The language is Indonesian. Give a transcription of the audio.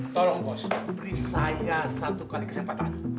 tolong bos beri saya satu kali kesempatan